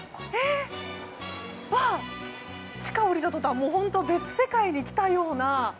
地下降りた途端別世界に来たような。